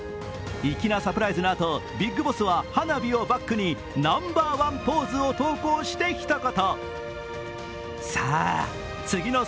粋なサプライズのあと、ビッグボスは花火をバックにナンバーワンポーズを投稿してひと言。